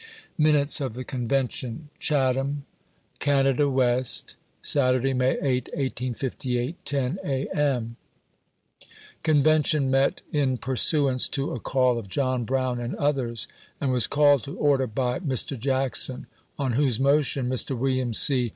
MINUTES OF THE CONVENTION. Chatham, (Gacada West,) > Saturday, May 8, 1658—10, A. M. S Convention met in pursuance to a call of John Brown and others, and was called to order by Mr^ Jackson, on whose motion, Mr. William C.